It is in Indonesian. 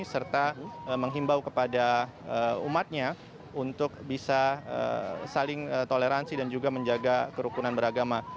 serta menghimbau kepada umatnya untuk bisa saling toleransi dan juga menjaga kerukunan beragama